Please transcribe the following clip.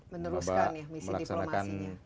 meneruskan ya misi diplomasinya